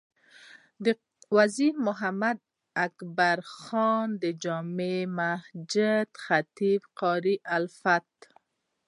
وزیر محمد اکبر خان د جامع مسجد خطیب قاري الفت،